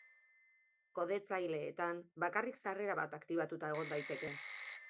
Kodetzaileetan bakarrik sarrera bat aktibatuta egon daiteke.